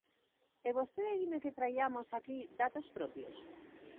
E vostede dime que traiamos aquí datos propios.